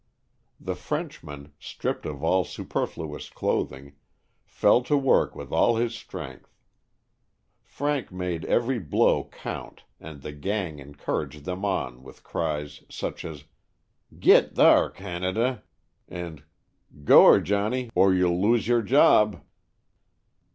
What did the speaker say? The Frenchman, stripped of all superfluous clothing, fell to work with all his strength. Frank made every blow count and the "gang" encouraged them on with cries, such as: "Git 'thar, Canada," and " Goer, Johnnie, or you'll lose yer job."